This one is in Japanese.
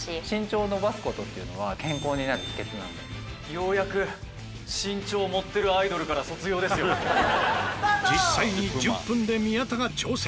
「ようやく実際に１０分で宮田が挑戦。